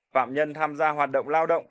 phạm nhân tham gia hoạt động lao động